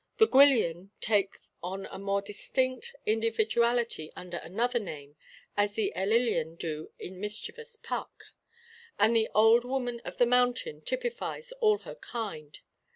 The Gwyllion take on a more distinct individuality under another name as the Ellyllon do in mischievous Puck and the Old Woman of the Mountain typifies all her kind.